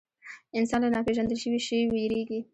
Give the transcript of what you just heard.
انسان له ناپېژندل شوي شي وېرېږي.